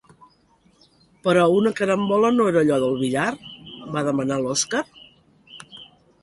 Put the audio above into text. Però una carambola no era allò del billar? —va demanar l'Oskar.